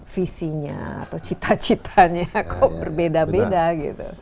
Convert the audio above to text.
visinya atau cita citanya kok berbeda beda gitu